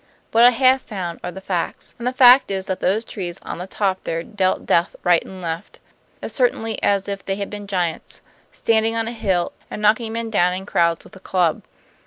What I have found are the facts. And the fact is that those trees on the top there dealt death right and left, as certainly as if they had been giants, standing on a hill and knocking men down in crowds with a club.